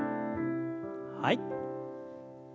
はい。